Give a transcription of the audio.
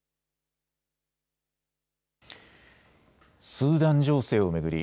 スーダン情勢を巡り